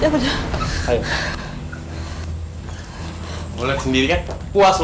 boleh sendiri kan puas loh